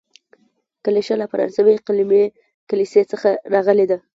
کلیشه له فرانسوي کليمې کلیسې څخه راغلې ده.